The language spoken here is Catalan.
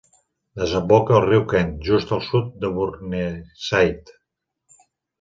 Desemboca al riu Kent just al sud de Burneside.